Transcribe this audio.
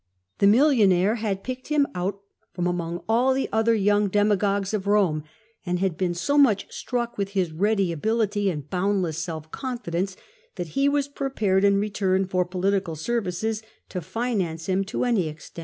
The millionaire had picked him out from among all the other young demagogues of Rome, and had been so much struck with his ready ability autl boundless self confidence, that ho was prepared, in return for political services, to finance him to any extent.